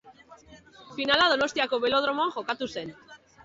Finala Donostiako Belodromoan jokatu zen.